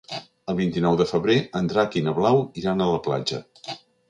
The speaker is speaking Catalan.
El vint-i-nou de febrer en Drac i na Blau iran a la platja.